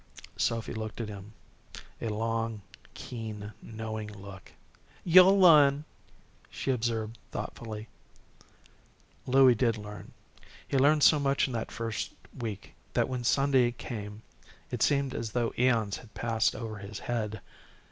Sophy looked at him a long, keen, knowing look. "You'll learn," she observed, thoughtfully. Louie did learn. He learned so much in that first week that when Sunday came it seemed as though aeons had passed over his head.